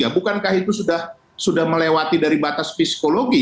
bukankah itu sudah melewati dari batas psikologi